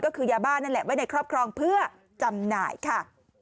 ก็คือยาบ้านนั่นแหละไว้ในครอบครองเพื่อจำหน่ายค่ะ